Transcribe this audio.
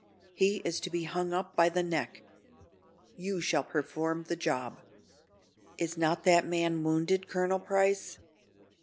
He is to be hung up by the neck. You shall perform the job." "Is not that man wounded, Colonel Price?"